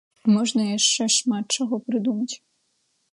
Можна яшчэ шмат чаго прыдумаць.